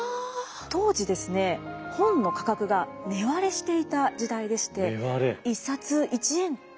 当時ですね本の価格が値割れしていた時代でして。